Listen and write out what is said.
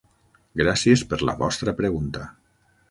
Gràcies per la vostra pregunta.